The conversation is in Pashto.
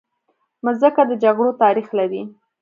مځکه د جګړو تاریخ لري.